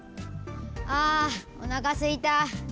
ああおなかすいた。